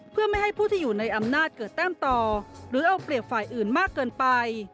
เพื่อไม่ให้ผู้ที่อยู่ในอำนาจเกิดแต้มต่อหรือเอาเปรียบฝ่ายอื่นมากเกินไป